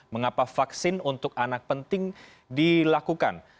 mengapa vaksin untuk anak penting dilakukan